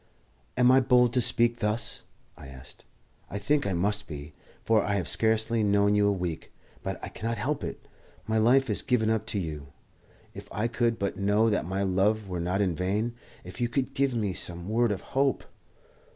"Am I bold to speak thus?" I asked. "I think I must be, for I have scarcely known you a week. But I cannot help it. My life is given up to you. If I could but know that my love were not in vain! If you could give me some word of hope!"